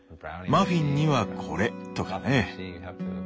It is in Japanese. マフィンにはこれとかね。